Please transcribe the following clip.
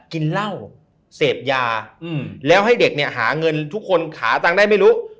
กินเหล้าเสพยาแล้วให้เด็กเนี่ยหาเงินทุกคนหาตังค์ได้ไม่รู้